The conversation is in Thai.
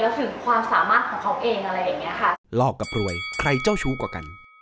และถึงความสามารถของเขาเองอะไรอย่างเงี้ยค่ะ